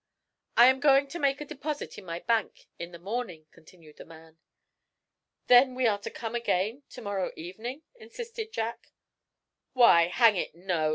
"I am going to make a deposit in my bank in the morning," continued the man. "Then we are to come again to morrow evening?" insisted Jack. "Why, hang it, no.